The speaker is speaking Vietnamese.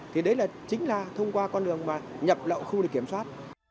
thì đấy chính là thông qua con đường mà nhập lậu không được kiểm soát